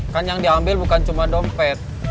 kan yang diambil bukan cuma dompet